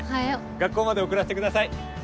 学校まで送らせてください。